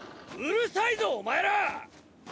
うるさいぞお前ら！